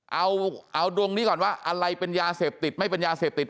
เอาเอาดวงนี้ก่อนว่าอะไรเป็นยาเสพติดไม่เป็นยาเสพติด